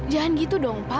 jangan gitu dong pak